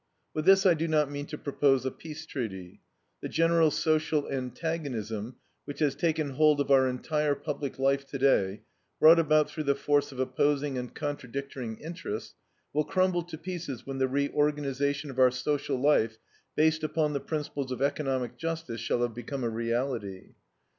With this I do not mean to propose a peace treaty. The general social antagonism which has taken hold of our entire public life today, brought about through the force of opposing and contradictory interests, will crumble to pieces when the reorganization of our social life, based upon the principles of economic justice, shall have become a reality.